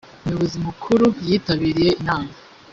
umuyobozi mukuru yitabiriye inama.